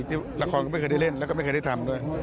ละครก็ไม่เคยได้เล่นแล้วก็ไม่เคยได้ทำด้วย